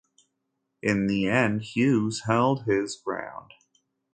In the end, Hughes held his ground.